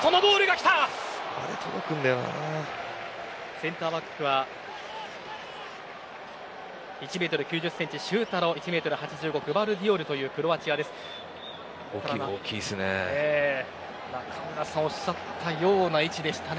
センターバックは１ｍ９０ｃｍシュータロ１ｍ８５、グヴァルディオルという大きいですね。